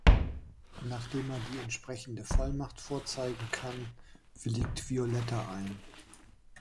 Nachdem er die entsprechende Vollmacht vorzeigen kann, willigt Violetta ein.